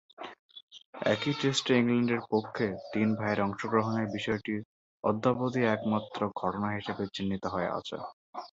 একই টেস্টে ইংল্যান্ডের পক্ষে তিন ভাইয়ের অংশগ্রহণের বিষয়টি অদ্যাবধি একমাত্র ঘটনা হিসেবে চিহ্নিত হয়ে আছে।